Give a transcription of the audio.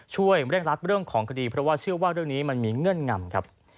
เร่งรัดเรื่องของคดีเพราะว่าเชื่อว่าเรื่องนี้มันมีเงื่อนงำครับ